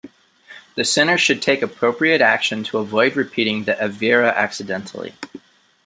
The sinner should take appropriate action to avoid repeating the "aveira" accidentally.